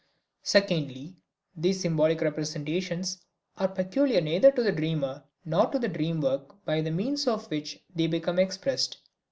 Secondly, these symbolic representations are peculiar neither to the dreamer nor to the dream work by means of which they become expressed.